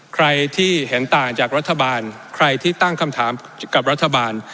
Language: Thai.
ใครที่เห็นต่างจากรัฐบาลใครที่ตั้งคำถามกับรัฐบาล